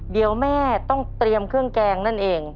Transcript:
เดี๋ยวแม่ต้องเตรียมเครื่องแกงนั่นเอง